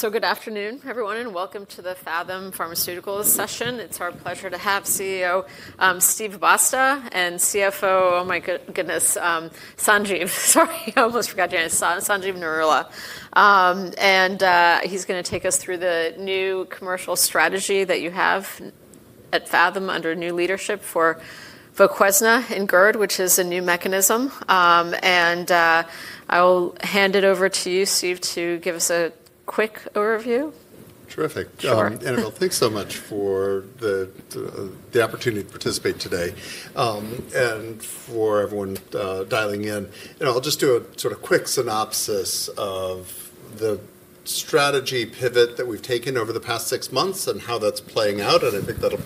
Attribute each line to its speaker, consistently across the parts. Speaker 1: Good afternoon, everyone, and welcome to the Phathom Pharmaceuticals session. It's our pleasure to have CEO Steve Basta and CFO, oh my goodness, Sanjeev. Sorry, I almost forgot your name. Sanjeev Narula. And he's going to take us through the new commercial strategy that you have at Phathom under new leadership for VOQUEZNA in GERD, which is a new mechanism. I will hand it over to you, Steve, to give us a quick overview.
Speaker 2: Terrific.
Speaker 1: Sure.
Speaker 2: Thanks so much for the opportunity to participate today and for everyone dialing in. I'll just do a sort of quick synopsis of the strategy pivot that we've taken over the past six months and how that's playing out. I think that'll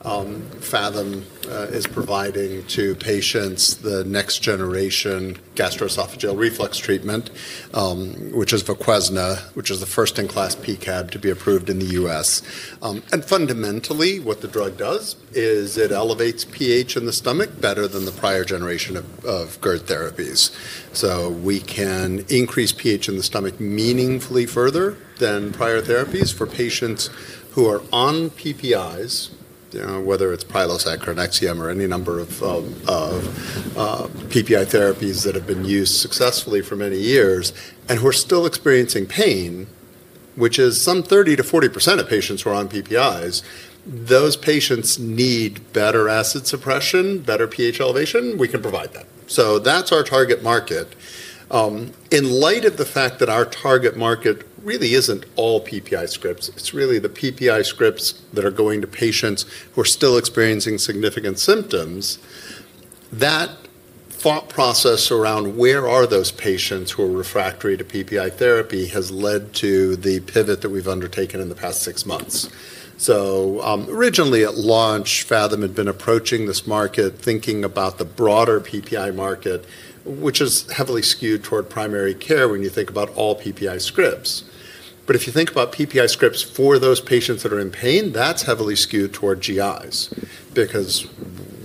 Speaker 2: provide a helpful context. For anyone new to the story, Phathom is providing to patients the next generation gastroesophageal reflux treatment, which is VOQUEZNA, which is the first-in-class P-CAB to be approved in the U.S. Fundamentally, what the drug does is it elevates pH in the stomach better than the prior generation of GERD therapies. We can increase pH in the stomach meaningfully further than prior therapies for patients who are on PPIs, whether it's Prilosec or Nexium or any number of PPI therapies that have been used successfully for many years, and who are still experiencing pain, which is some 30%-40% of patients who are on PPIs. Those patients need better acid suppression, better pH elevation. We can provide that. That's our target market. In light of the fact that our target market really isn't all PPI scripts, it's really the PPI scripts that are going to patients who are still experiencing significant symptoms. That thought process around where are those patients who are refractory to PPI therapy has led to the pivot that we've undertaken in the past six months. Originally, at launch, Phathom had been approaching this market thinking about the broader PPI market, which is heavily skewed toward primary care when you think about all PPI scripts. If you think about PPI scripts for those patients that are in pain, that's heavily skewed toward GIs.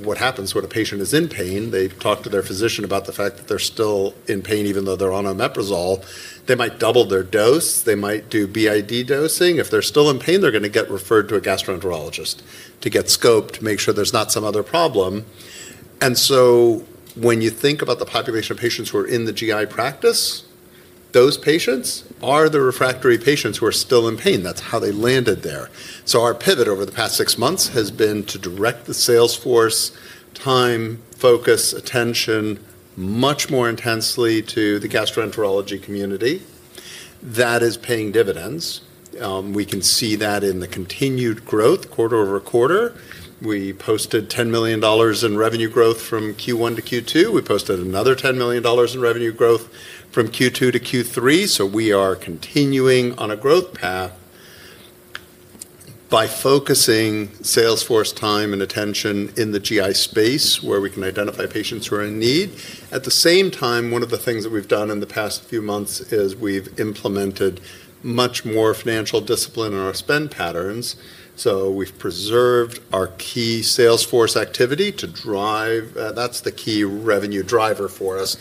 Speaker 2: What happens when a patient is in pain, they talk to their physician about the fact that they're still in pain even though they're on omeprazole. They might double their dose. They might do BID dosing. If they're still in pain, they're going to get referred to a gastroenterologist to get scoped, make sure there's not some other problem. When you think about the population of patients who are in the GI practice, those patients are the refractory patients who are still in pain. That's how they landed there. Our pivot over the past six months has been to direct the salesforce time, focus, attention much more intensely to the gastroenterology community. That is paying dividends. We can see that in the continued growth quarter over quarter. We posted $10 million in revenue growth from Q1 to Q2. We posted another $10 million in revenue growth from Q2 to Q3. We are continuing on a growth path by focusing salesforce time and attention in the GI space where we can identify patients who are in need. At the same time, one of the things that we've done in the past few months is we've implemented much more financial discipline in our spend patterns. We've preserved our key salesforce activity to drive. That's the key revenue driver for us,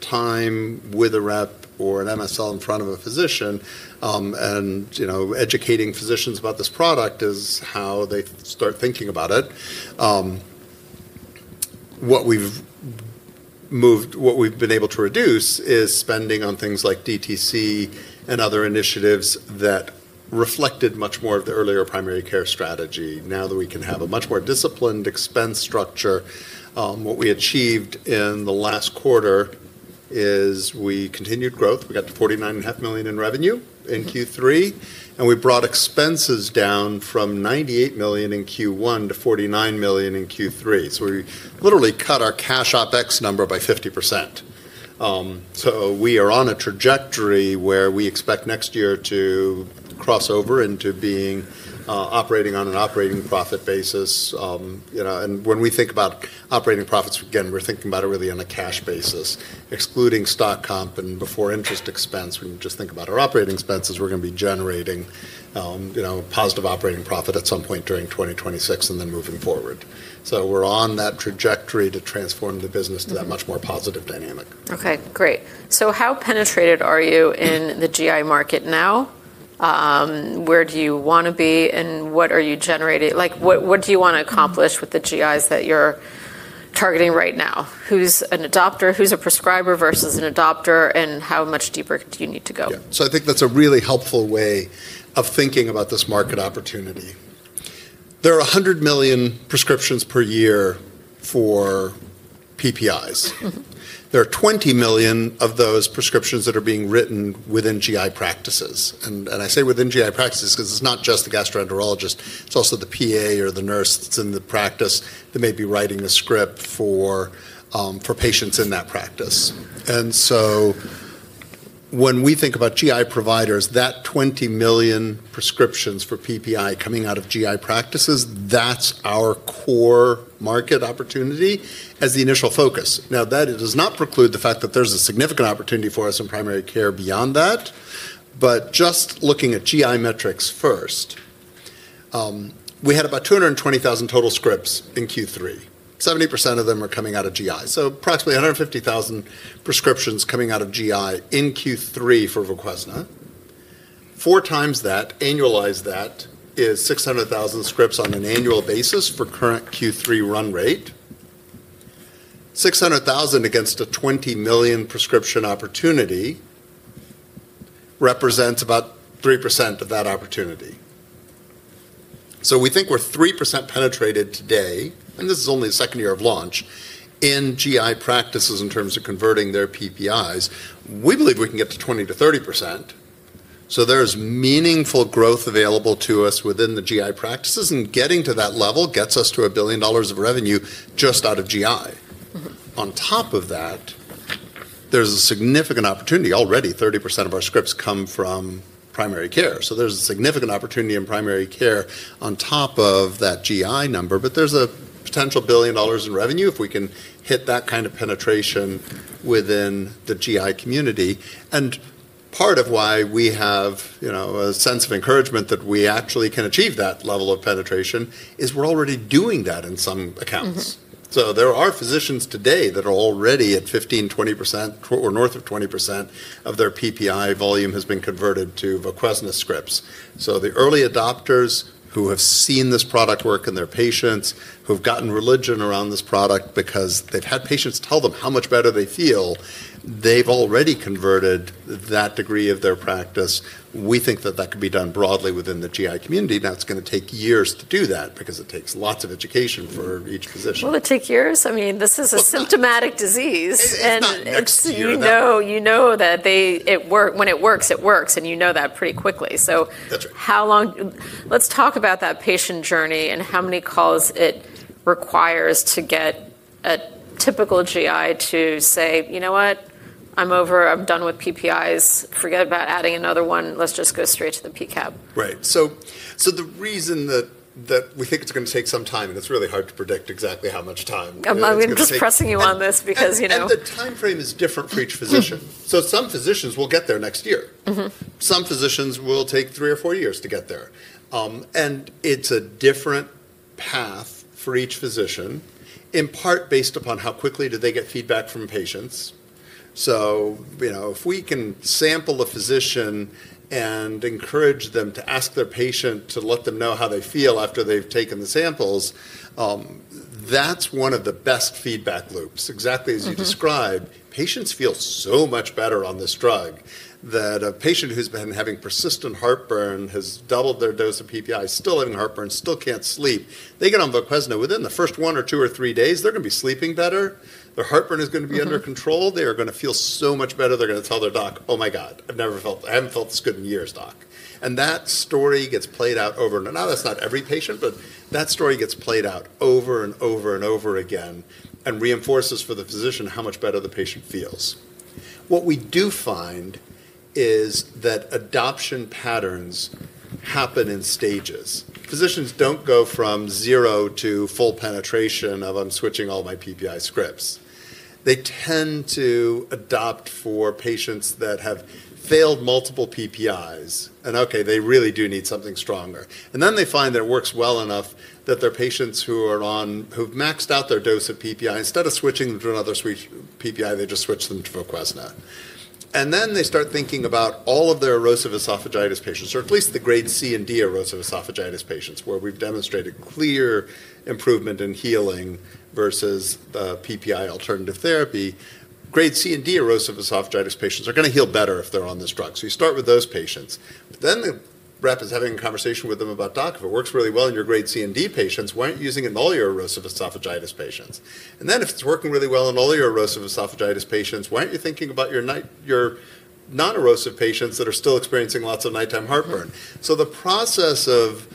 Speaker 2: is time with a rep or an MSL in front of a physician. Educating physicians about this product is how they start thinking about it. What we have been able to reduce is spending on things like DTC and other initiatives that reflected much more of the earlier primary care strategy. Now that we can have a much more disciplined expense structure, what we achieved in the last quarter is we continued growth. We got to $49.5 million in revenue in Q3. We brought expenses down from $98 million in Q1 to $49 million in Q3. We literally cut our cash OpEx number by 50%. We are on a trajectory where we expect next year to cross over into being operating on an operating profit basis. When we think about operating profits, again, we are thinking about it really on a cash basis, excluding stock comp and before interest expense. When we just think about our operating expenses, we're going to be generating positive operating profit at some point during 2026 and then moving forward. We are on that trajectory to transform the business to that much more positive dynamic.
Speaker 1: Okay, great. How penetrated are you in the GI market now? Where do you want to be? What are you generating? What do you want to accomplish with the GIs that you're targeting right now? Who's an adopter? Who's a prescriber versus an adopter? How much deeper do you need to go?
Speaker 2: Yeah. I think that's a really helpful way of thinking about this market opportunity. There are 100 million prescriptions per year for PPIs. There are 20 million of those prescriptions that are being written within GI practices. I say within GI practices because it's not just the gastroenterologist. It's also the PA or the nurse that's in the practice that may be writing a script for patients in that practice. When we think about GI providers, that 20 million prescriptions for PPI coming out of GI practices, that's our core market opportunity as the initial focus. That does not preclude the fact that there's a significant opportunity for us in primary care beyond that. Just looking at GI metrics first, we had about 220,000 total scripts in Q3. 70% of them are coming out of GI. Approximately 150,000 prescriptions coming out of GI in Q3 for VOQUEZNA. Four times that, annualized that, is 600,000 scripts on an annual basis for current Q3 run rate. 600,000 against a 20 million prescription opportunity represents about 3% of that opportunity. We think we're 3% penetrated today. This is only the second year of launch in GI practices in terms of converting their PPIs. We believe we can get to 20%-30%. There is meaningful growth available to us within the GI practices. Getting to that level gets us to a billion dollars of revenue just out of GI. On top of that, there's a significant opportunity. Already, 30% of our scripts come from primary care. There's a significant opportunity in primary care on top of that GI number. There is a potential billion dollars in revenue if we can hit that kind of penetration within the GI community. Part of why we have a sense of encouragement that we actually can achieve that level of penetration is we're already doing that in some accounts. There are physicians today that are already at 15%, 20%, or north of 20% of their PPI volume has been converted to VOQUEZNA scripts. The early adopters who have seen this product work in their patients, who've gotten religion around this product because they've had patients tell them how much better they feel, they've already converted that degree of their practice. We think that that could be done broadly within the GI community. Now, it's going to take years to do that because it takes lots of education for each physician.
Speaker 1: Will it take years? I mean, this is a symptomatic disease. And you know that when it works, it works. And you know that pretty quickly. So how long? Let's talk about that patient journey and how many calls it requires to get a typical GI to say, you know what? I'm over. I'm done with PPIs. Forget about adding another one. Let's just go straight to the P-CAB.
Speaker 2: Right. So the reason that we think it's going to take some time, and it's really hard to predict exactly how much time.
Speaker 1: I'm going to be pressing you on this because.
Speaker 2: The timeframe is different for each physician. Some physicians will get there next year. Some physicians will take three or four years to get there. It is a different path for each physician, in part based upon how quickly they get feedback from patients. If we can sample a physician and encourage them to ask their patient to let them know how they feel after they have taken the samples, that is one of the best feedback loops. Exactly as you described, patients feel so much better on this drug that a patient who has been having persistent heartburn has doubled their dose of PPI, still having heartburn, still cannot sleep. They get on VOQUEZNA. Within the first one or two or three days, they are going to be sleeping better. Their heartburn is going to be under control. They are going to feel so much better. They're going to tell their doc, "Oh my God, I haven't felt this good in years, doc." That story gets played out over and over. Now, that's not every patient, but that story gets played out over and over and over again and reinforces for the physician how much better the patient feels. What we do find is that adoption patterns happen in stages. Physicians don't go from zero to full penetration of, "I'm switching all my PPI scripts." They tend to adopt for patients that have failed multiple PPIs. Okay, they really do need something stronger. They find that it works well enough that their patients who have maxed out their dose of PPI, instead of switching to another PPI, they just switch them to VOQUEZNA. They start thinking about all of their erosive esophagitis patients, or at least the grade C and D erosive esophagitis patients, where we've demonstrated clear improvement in healing versus the PPI alternative therapy. Grade C and D erosive esophagitis patients are going to heal better if they're on this drug. You start with those patients. The rep is having a conversation with them about, "Doc, if it works really well in your grade C and D patients, why aren't you using it in all your erosive esophagitis patients? If it's working really well in all your erosive esophagitis patients, why aren't you thinking about your non-erosive patients that are still experiencing lots of nighttime heartburn? The process of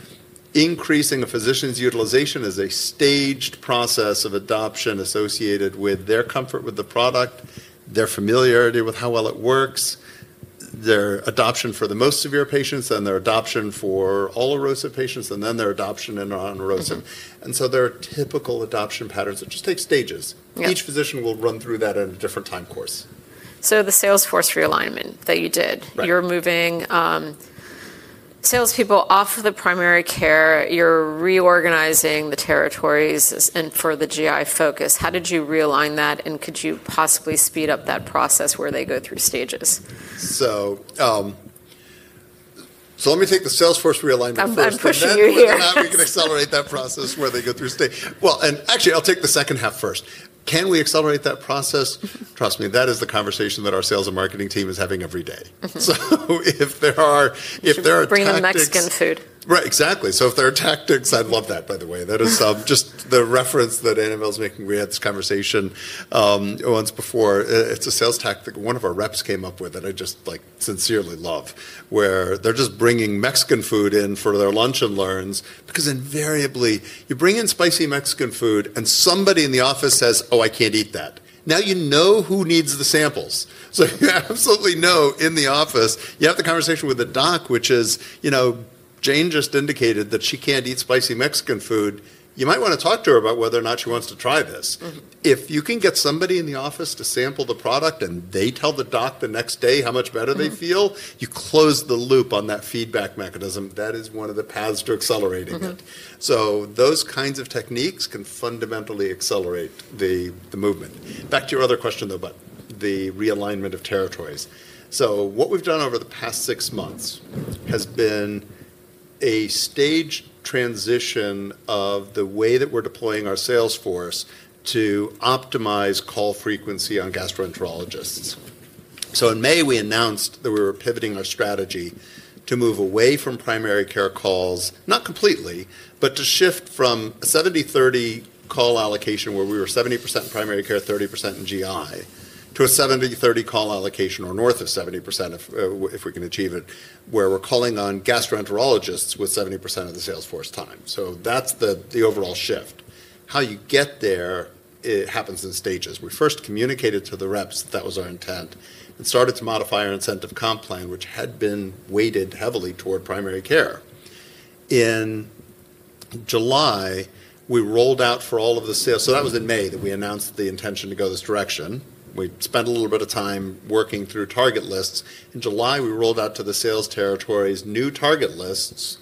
Speaker 2: increasing a physician's utilization is a staged process of adoption associated with their comfort with the product, their familiarity with how well it works, their adoption for the most severe patients, then their adoption for all erosive patients, and then their adoption in non-erosive. There are typical adoption patterns that just take stages. Each physician will run through that in a different time course.
Speaker 1: The salesforce realignment that you did, you're moving salespeople off of the primary care. You're reorganizing the territories for the GI focus. How did you realign that? And could you possibly speed up that process where they go through stages?
Speaker 2: Let me take the salesforce realignment first.
Speaker 1: I'm pushing you here.
Speaker 2: If not, we can accelerate that process where they go through stage. Actually, I'll take the second half first. Can we accelerate that process? Trust me, that is the conversation that our sales and marketing team is having every day. So if there are.
Speaker 1: Bringing Mexican food.
Speaker 2: Right, exactly. If there are tactics, I'd love that, by the way. That is just the reference that Anne Mills is making. We had this conversation once before. It's a sales tactic one of our reps came up with that I just sincerely love, where they're just bringing Mexican food in for their lunch and learns. Because invariably, you bring in spicy Mexican food, and somebody in the office says, "Oh, I can't eat that." Now you know who needs the samples. You absolutely know in the office, you have the conversation with the doc, which is, "Jane just indicated that she can't eat spicy Mexican food. You might want to talk to her about whether or not she wants to try this. If you can get somebody in the office to sample the product and they tell the doc the next day how much better they feel, you close the loop on that feedback mechanism. That is one of the paths to accelerating it. Those kinds of techniques can fundamentally accelerate the movement. Back to your other question, though, about the realignment of territories. What we have done over the past six months has been a staged transition of the way that we are deploying our salesforce to optimize call frequency on gastroenterologists. In May, we announced that we were pivoting our strategy to move away from primary care calls, not completely, but to shift from a 70/30 call allocation where we were 70% in primary care, 30% in GI, to a 70/30 call allocation or north of 70% if we can achieve it, where we're calling on gastroenterologists with 70% of the salesforce time. That's the overall shift. How you get there happens in stages. We first communicated to the reps that that was our intent and started to modify our incentive comp plan, which had been weighted heavily toward primary care. In July, we rolled out for all of the sales. That was in May that we announced the intention to go this direction. We spent a little bit of time working through target lists. In July, we rolled out to the sales territories new target lists.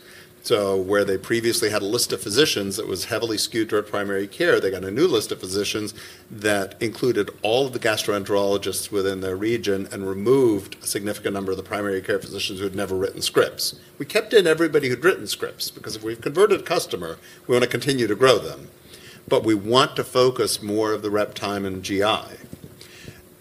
Speaker 2: Where they previously had a list of physicians that was heavily skewed toward primary care, they got a new list of physicians that included all of the gastroenterologists within their region and removed a significant number of the primary care physicians who had never written scripts. We kept in everybody who'd written scripts because if we've converted a customer, we want to continue to grow them. We want to focus more of the rep time in GI.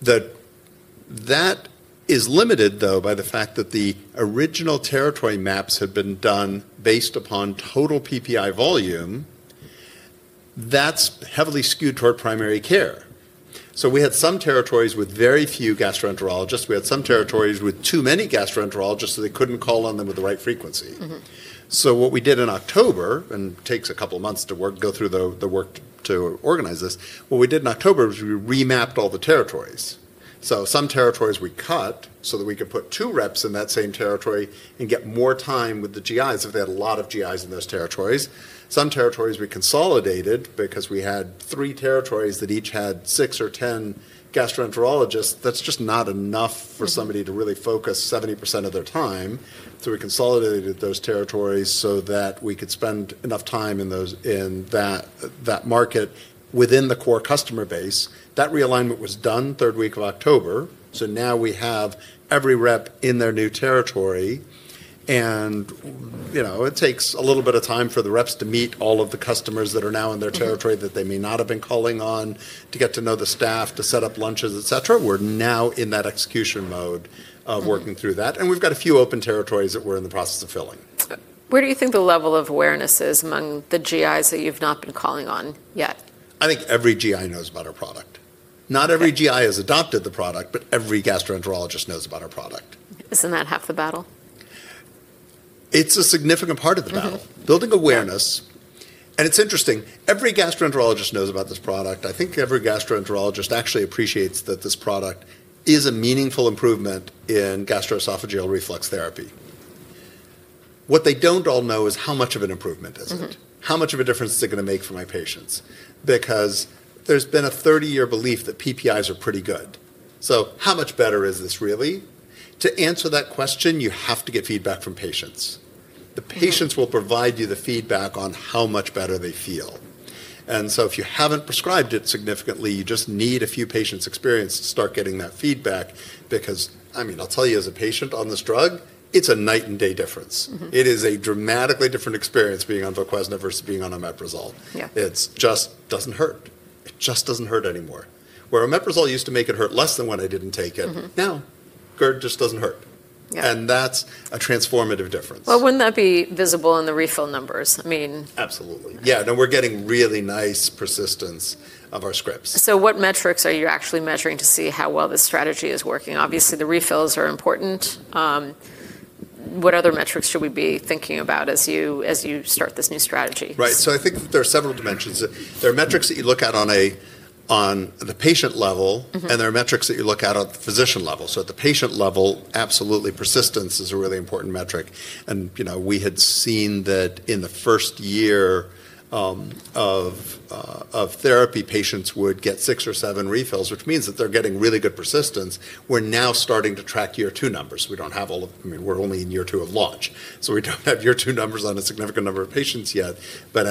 Speaker 2: That is limited, though, by the fact that the original territory maps had been done based upon total PPI volume. That's heavily skewed toward primary care. We had some territories with very few gastroenterologists. We had some territories with too many gastroenterologists that they couldn't call on them with the right frequency. What we did in October, and it takes a couple of months to go through the work to organize this, what we did in October was we remapped all the territories. Some territories we cut so that we could put two reps in that same territory and get more time with the GIs if they had a lot of GIs in those territories. Some territories we consolidated because we had three territories that each had six or ten gastroenterologists. That's just not enough for somebody to really focus 70% of their time. We consolidated those territories so that we could spend enough time in that market within the core customer base. That realignment was done third week of October. Now we have every rep in their new territory. It takes a little bit of time for the reps to meet all of the customers that are now in their territory that they may not have been calling on to get to know the staff, to set up lunches, etc. We are now in that execution mode of working through that. We have a few open territories that we are in the process of filling.
Speaker 1: Where do you think the level of awareness is among the GIs that you've not been calling on yet?
Speaker 2: I think every GI knows about our product. Not every GI has adopted the product, but every gastroenterologist knows about our product.
Speaker 1: Isn't that half the battle?
Speaker 2: It's a significant part of the battle. Building awareness. It's interesting. Every gastroenterologist knows about this product. I think every gastroenterologist actually appreciates that this product is a meaningful improvement in gastroesophageal reflux therapy. What they don't all know is how much of an improvement is it? How much of a difference is it going to make for my patients? Because there's been a 30-year belief that PPIs are pretty good. How much better is this really? To answer that question, you have to get feedback from patients. The patients will provide you the feedback on how much better they feel. If you haven't prescribed it significantly, you just need a few patients' experience to start getting that feedback. I mean, I'll tell you as a patient on this drug, it's a night and day difference. It is a dramatically different experience being on VOQUEZNA versus being on omeprazole. It just doesn't hurt. It just doesn't hurt anymore. Where omeprazole used to make it hurt less than when I didn't take it, now GERD just doesn't hurt. That is a transformative difference.
Speaker 1: Wouldn't that be visible in the refill numbers? I mean.
Speaker 2: Absolutely. Yeah. We're getting really nice persistence of our scripts.
Speaker 1: What metrics are you actually measuring to see how well this strategy is working? Obviously, the refills are important. What other metrics should we be thinking about as you start this new strategy?
Speaker 2: Right. I think there are several dimensions. There are metrics that you look at on the patient level, and there are metrics that you look at on the physician level. At the patient level, absolutely, persistence is a really important metric. We had seen that in the first year of therapy, patients would get six or seven refills, which means that they're getting really good persistence. We're now starting to track year two numbers. We don't have all of—I mean, we're only in year two of launch. We don't have year two numbers on a significant number of patients yet.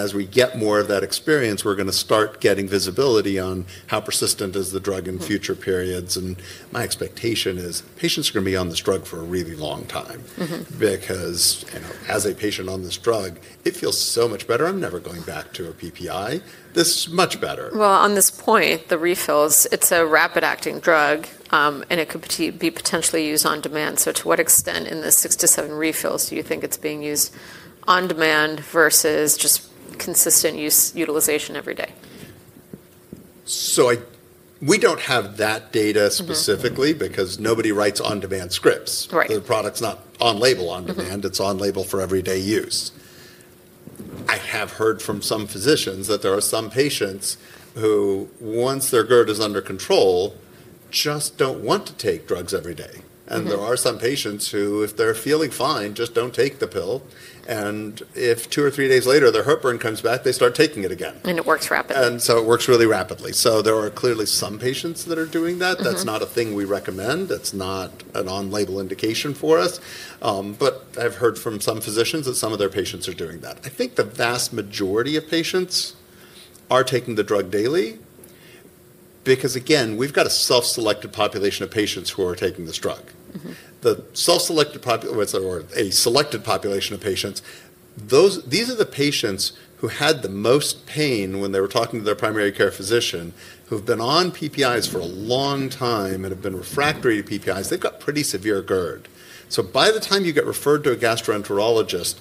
Speaker 2: As we get more of that experience, we're going to start getting visibility on how persistent is the drug in future periods. My expectation is patients are going to be on this drug for a really long time. Because as a patient on this drug, it feels so much better. I'm never going back to a PPI. This is much better.
Speaker 1: On this point, the refills, it's a rapid-acting drug, and it could be potentially used on demand. To what extent in the six to seven refills do you think it's being used on demand versus just consistent utilization every day?
Speaker 2: We don't have that data specifically because nobody writes on-demand scripts. The product's not on label on demand. It's on label for everyday use. I have heard from some physicians that there are some patients who, once their GERD is under control, just don't want to take drugs every day. There are some patients who, if they're feeling fine, just don't take the pill. If two or three days later their heartburn comes back, they start taking it again.
Speaker 1: It works rapidly.
Speaker 2: It works really rapidly. There are clearly some patients that are doing that. That's not a thing we recommend. It's not an on-label indication for us. I've heard from some physicians that some of their patients are doing that. I think the vast majority of patients are taking the drug daily. Again, we've got a self-selected population of patients who are taking this drug. The self-selected population or a selected population of patients, these are the patients who had the most pain when they were talking to their primary care physician, who've been on PPIs for a long time and have been refractory to PPIs. They've got pretty severe GERD. By the time you get referred to a gastroenterologist,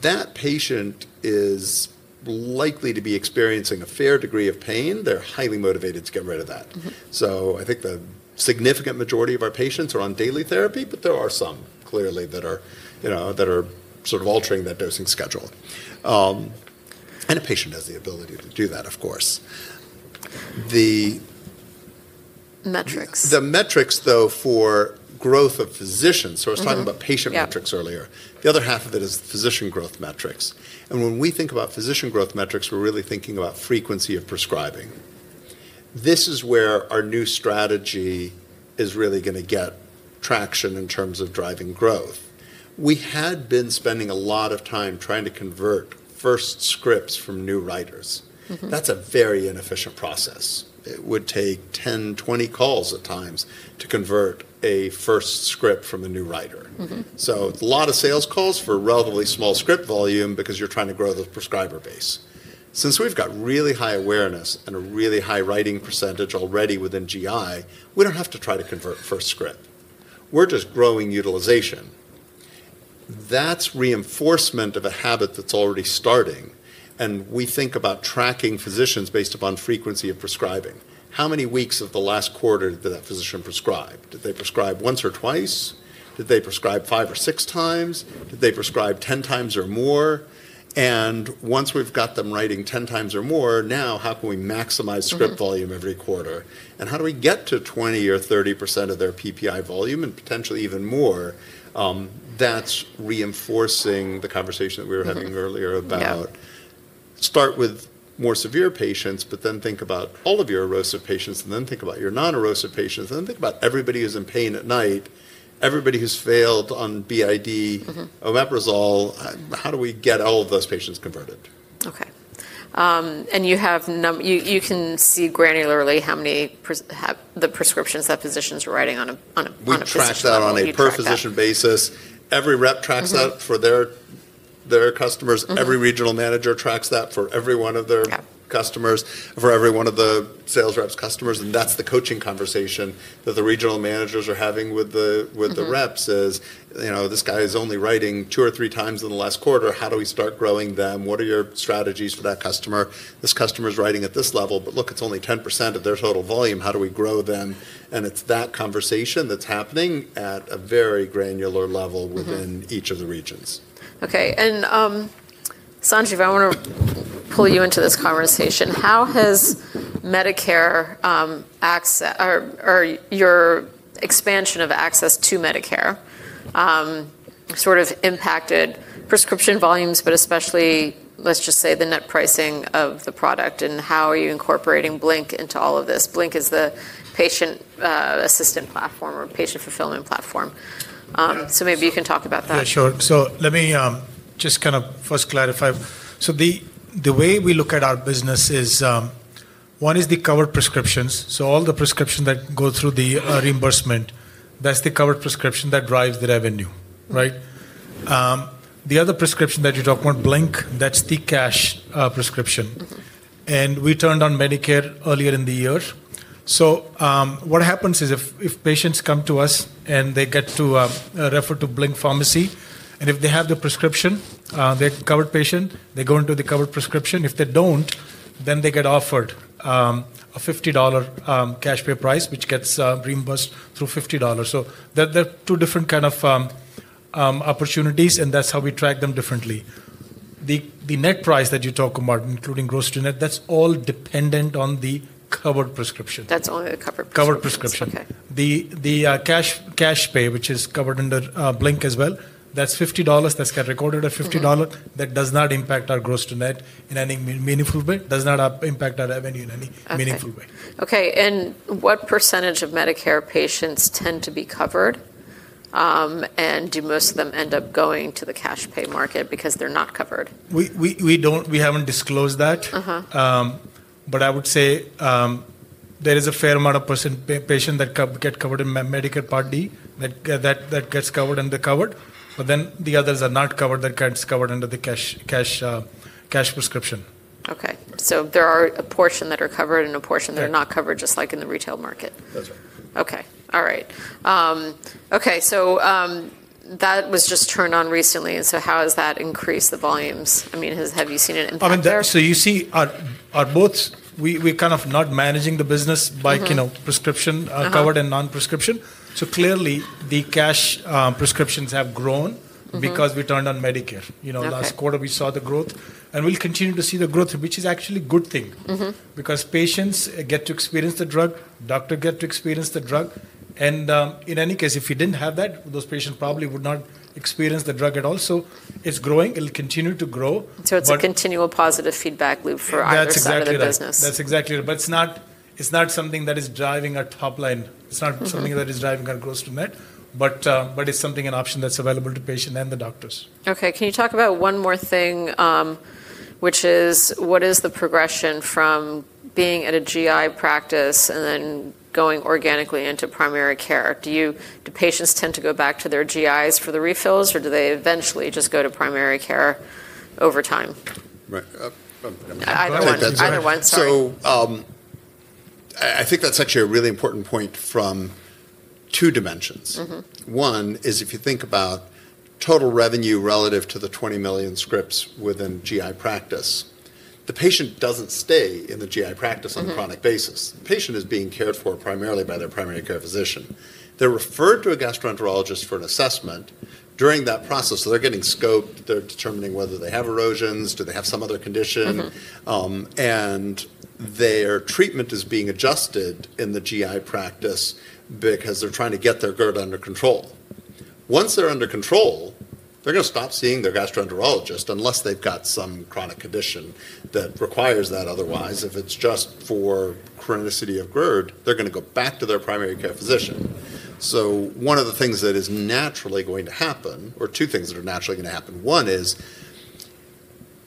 Speaker 2: that patient is likely to be experiencing a fair degree of pain. They're highly motivated to get rid of that. I think the significant majority of our patients are on daily therapy, but there are some clearly that are sort of altering that dosing schedule. A patient has the ability to do that, of course.
Speaker 1: Metrics.
Speaker 2: The metrics, though, for growth of physicians. I was talking about patient metrics earlier. The other half of it is physician growth metrics. When we think about physician growth metrics, we're really thinking about frequency of prescribing. This is where our new strategy is really going to get traction in terms of driving growth. We had been spending a lot of time trying to convert first scripts from new writers. That's a very inefficient process. It would take 10-20 calls at times to convert a first script from a new writer. It's a lot of sales calls for a relatively small script volume because you're trying to grow the prescriber base. Since we've got really high awareness and a really high writing percentage already within GI, we don't have to try to convert first script. We're just growing utilization. That's reinforcement of a habit that's already starting. We think about tracking physicians based upon frequency of prescribing. How many weeks of the last quarter did that physician prescribe? Did they prescribe once or twice? Did they prescribe five or six times? Did they prescribe 10 times or more? Once we've got them writing 10 times or more, now how can we maximize script volume every quarter? How do we get to 20% or 30% of their PPI volume and potentially even more? That's reinforcing the conversation that we were having earlier about start with more severe patients, but then think about all of your erosive patients, and then think about your non-erosive patients, and then think about everybody who's in pain at night, everybody who's failed on BID omeprazole. How do we get all of those patients converted?
Speaker 1: Okay. You can see granularly how many prescriptions physicians are writing on a physician's basis.
Speaker 2: We track that on a per-physician basis. Every rep tracks that for their customers. Every regional manager tracks that for every one of their customers, for every one of the sales reps' customers. That is the coaching conversation that the regional managers are having with the reps is, "This guy is only writing two or three times in the last quarter. How do we start growing them? What are your strategies for that customer? This customer is writing at this level, but look, it is only 10% of their total volume. How do we grow them?" It is that conversation that is happening at a very granular level within each of the regions.
Speaker 1: Okay. Sanjeev, I want to pull you into this conversation. How has Medicare access or your expansion of access to Medicare sort of impacted prescription volumes, but especially, let's just say, the net pricing of the product and how are you incorporating Blink into all of this? Blink is the patient assistance platform or patient fulfillment platform. Maybe you can talk about that.
Speaker 3: Yeah, sure. Let me just kind of first clarify. The way we look at our business is one is the covered prescriptions. All the prescriptions that go through the reimbursement, that's the covered prescription that drives the revenue, right? The other prescription that you're talking about, Blink, that's the cash prescription. We turned on Medicare earlier in the year. What happens is if patients come to us and they get referred to Blink Pharmacy, and if they have the prescription, they're a covered patient, they go into the covered prescription. If they don't, then they get offered a $50 cash pay price, which gets reimbursed through $50. There are two different kinds of opportunities, and that's how we track them differently. The net price that you talk about, including gross to net, that's all dependent on the covered prescription.
Speaker 1: That's only the covered prescription.
Speaker 3: Covered prescription. The cash pay, which is covered under Blink as well, that's $50. That's got recorded at $50. That does not impact our gross to net in any meaningful way. It does not impact our revenue in any meaningful way.
Speaker 1: Okay. What percentage of Medicare patients tend to be covered? Do most of them end up going to the cash pay market because they're not covered?
Speaker 3: We haven't disclosed that. I would say there is a fair amount of patients that get covered in Medicare Part D that gets covered under covered. The others are not covered that gets covered under the cash prescription.
Speaker 1: Okay. There are a portion that are covered and a portion that are not covered, just like in the retail market.
Speaker 3: That's right.
Speaker 1: Okay. All right. Okay. So that was just turned on recently. And so how has that increased the volumes? I mean, have you seen an impact there?
Speaker 3: I mean, you see our both, we're kind of not managing the business by prescription covered and non-prescription. Clearly, the cash prescriptions have grown because we turned on Medicare. Last quarter, we saw the growth. We'll continue to see the growth, which is actually a good thing. Patients get to experience the drug. Doctors get to experience the drug. In any case, if we did not have that, those patients probably would not experience the drug at all. It's growing. It'll continue to grow.
Speaker 1: It's a continual positive feedback loop for your business.
Speaker 3: That's exactly it. It is not something that is driving our top line. It is not something that is driving our gross to net. It is something, an option that is available to patients and the doctors.
Speaker 1: Okay. Can you talk about one more thing, which is what is the progression from being at a GI practice and then going organically into primary care? Do patients tend to go back to their GIs for the refills, or do they eventually just go to primary care over time?
Speaker 3: Right.
Speaker 1: I don't want to take either one. Sorry.
Speaker 2: I think that's actually a really important point from two dimensions. One is if you think about total revenue relative to the 20 million scripts within GI practice, the patient doesn't stay in the GI practice on a chronic basis. The patient is being cared for primarily by their primary care physician. They're referred to a gastroenterologist for an assessment during that process. They're getting scoped. They're determining whether they have erosions. Do they have some other condition? Their treatment is being adjusted in the GI practice because they're trying to get their GERD under control. Once they're under control, they're going to stop seeing their gastroenterologist unless they've got some chronic condition that requires that otherwise. If it's just for chronicity of GERD, they're going to go back to their primary care physician. One of the things that is naturally going to happen, or two things that are naturally going to happen, one is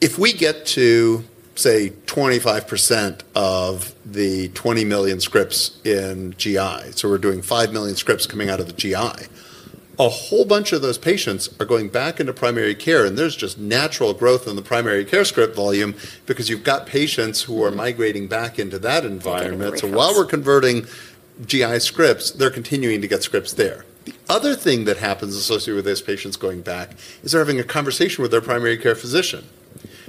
Speaker 2: if we get to, say, 25% of the 20 million scripts in GI, so we're doing 5 million scripts coming out of the GI, a whole bunch of those patients are going back into primary care. There's just natural growth in the primary care script volume because you've got patients who are migrating back into that environment. While we're converting GI scripts, they're continuing to get scripts there. The other thing that happens associated with those patients going back is they're having a conversation with their primary care physician.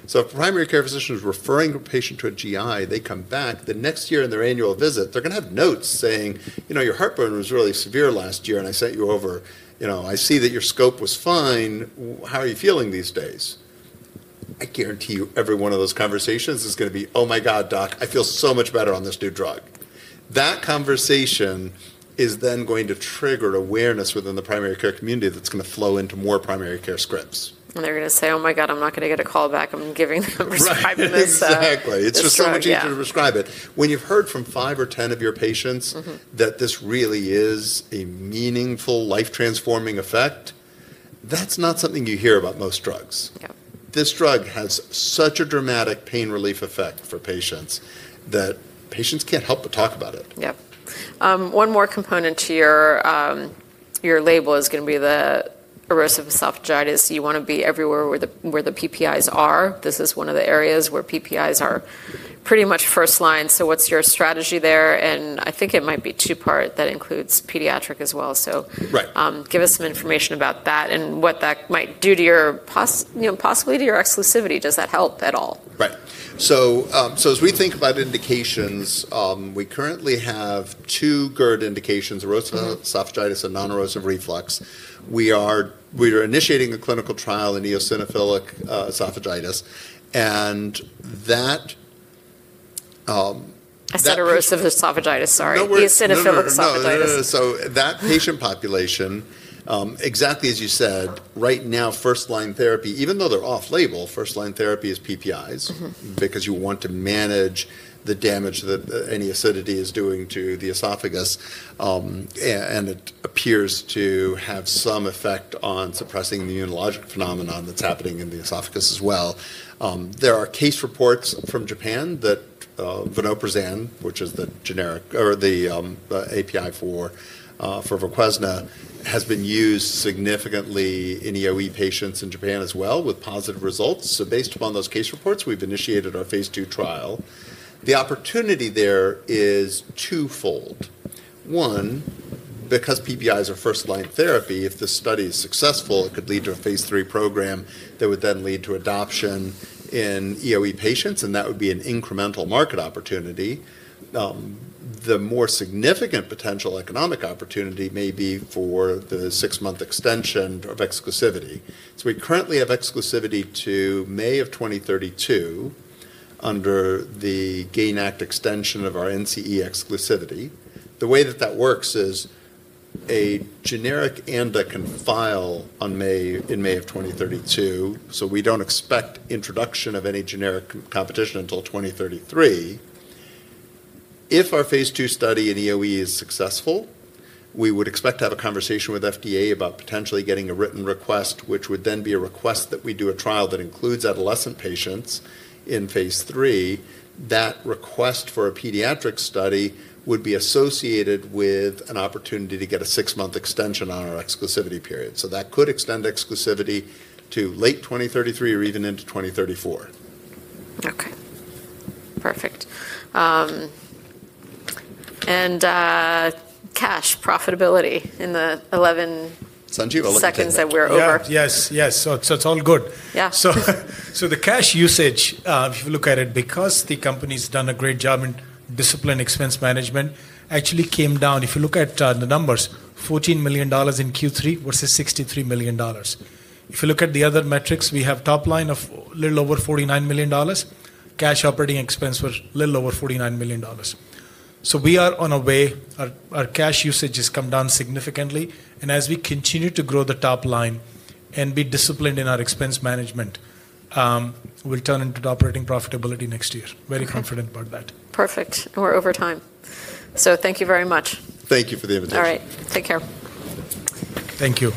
Speaker 2: If a primary care physician is referring a patient to a GI, they come back, the next year in their annual visit, they're going to have notes saying, "Your heartburn was really severe last year, and I sent you over. I see that your scope was fine. How are you feeling these days?" I guarantee you every one of those conversations is going to be, "Oh my God, doc, I feel so much better on this new drug." That conversation is then going to trigger awareness within the primary care community that's going to flow into more primary care scripts.
Speaker 1: They're going to say, "Oh my God, I'm not going to get a call back. I'm giving them a prescribing med.
Speaker 2: Exactly. It's just so much easier to prescribe it. When you've heard from five or ten of your patients that this really is a meaningful life-transforming effect, that's not something you hear about most drugs. This drug has such a dramatic pain relief effect for patients that patients can't help but talk about it.
Speaker 1: Yep. One more component to your label is going to be the erosive esophagitis. You want to be everywhere where the PPIs are. This is one of the areas where PPIs are pretty much first line. What's your strategy there? I think it might be two-part. That includes pediatric as well. Give us some information about that and what that might do to your, possibly to your exclusivity. Does that help at all?
Speaker 2: Right. As we think about indications, we currently have two GERD indications, erosive esophagitis and non-erosive reflux. We are initiating a clinical trial in eosinophilic esophagitis. That.
Speaker 1: I said erosive esophagitis. Sorry. Eosinophilic esophagitis.
Speaker 2: That patient population, exactly as you said, right now, first-line therapy, even though they're off-label, first-line therapy is PPIs because you want to manage the damage that any acidity is doing to the esophagus. It appears to have some effect on suppressing the immunologic phenomenon that's happening in the esophagus as well. There are case reports from Japan that vonoprazan, which is the generic or the API for VOQUEZNA, has been used significantly in EOE patients in Japan as well with positive results. Based upon those case reports, we've initiated our phase two trial. The opportunity there is twofold. One, because PPIs are first-line therapy, if the study is successful, it could lead to a phase three program that would then lead to adoption in EOE patients, and that would be an incremental market opportunity. The more significant potential economic opportunity may be for the six-month extension of exclusivity. We currently have exclusivity to May of 2032 under the GAIN Act extension of our NCE exclusivity. The way that that works is a generic can file in May of 2032. We do not expect introduction of any generic competition until 2033. If our phase two study in EOE is successful, we would expect to have a conversation with FDA about potentially getting a written request, which would then be a request that we do a trial that includes adolescent patients in phase three. That request for a pediatric study would be associated with an opportunity to get a six-month extension on our exclusivity period. That could extend exclusivity to late 2033 or even into 2034.
Speaker 1: Okay. Perfect. And cash profitability in the 11 seconds that we're over.
Speaker 3: Yes. Yes. It's all good. The cash usage, if you look at it, because the company's done a great job in disciplined expense management, actually came down. If you look at the numbers, $14 million in Q3 versus $63 million. If you look at the other metrics, we have top line of a little over $49 million. Cash operating expense was a little over $49 million. We are on our way. Our cash usage has come down significantly. As we continue to grow the top line and be disciplined in our expense management, we'll turn into operating profitability next year. Very confident about that.
Speaker 1: Perfect. We're over time. So thank you very much.
Speaker 2: Thank you for the invitation.
Speaker 1: All right. Take care.
Speaker 3: Thank you.